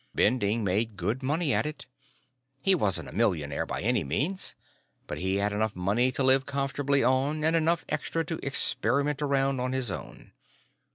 Bending made good money at it. He wasn't a millionaire by any means, but he had enough money to live comfortably on and enough extra to experiment around on his own.